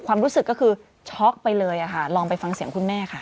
ความรู้สึกก็คือช็อกไปเลยค่ะลองไปฟังเสียงคุณแม่ค่ะ